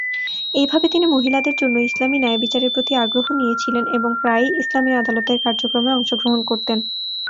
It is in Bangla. এইভাবে, তিনি মহিলাদের জন্য ইসলামী ন্যায়বিচারের প্রতি আগ্রহ নিয়েছিলেন এবং প্রায়ই ইসলামী আদালতের কার্যক্রমে অংশগ্রহণ করতেন।